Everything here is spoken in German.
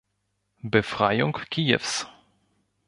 Befreiung Kiews.